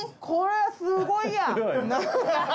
これはすごいや。